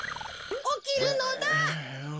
おきるのだ。